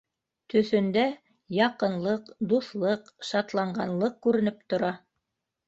Төҫөндә яҡынлыҡ, дуҫлыҡ, шатланғанлыҡ күренеп тора.